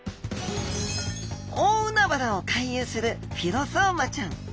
大海原を回遊するフィロソーマちゃん。